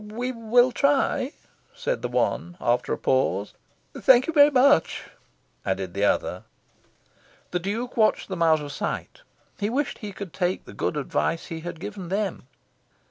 "We will try," said the one, after a pause. "Thank you very much," added the other. The Duke watched them out of sight. He wished he could take the good advice he had given them...